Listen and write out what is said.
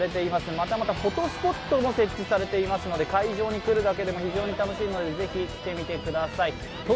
またまたフォトスポットも設置されていますので、会場に来るだけでも楽しいので来てください。